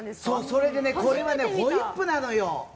それでねこれはホイップなのよ。